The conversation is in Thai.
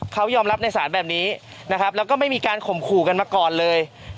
เขายอมรับในศาลแบบนี้นะครับแล้วก็ไม่มีการข่มขู่กันมาก่อนเลย